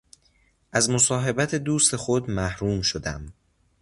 از مصاحبت دوست خود محروم شدم.